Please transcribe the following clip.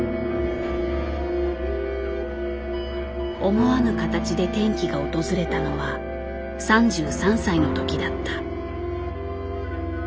思わぬ形で転機が訪れたのは３３歳のときだった。